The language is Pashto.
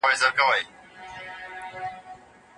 د ماشوم د پښو بوټان اندازه ولري.